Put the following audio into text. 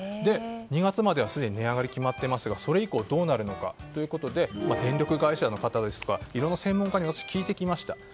２月まではすでに値上がりが決まっていますがそれ以降どうなるのかということで電力会社の方ですとかいろんな専門家に私聞いてきました。